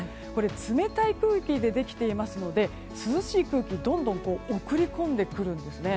冷たい空気でできていますので涼しい空気をどんどんと送り込んでくるんですね。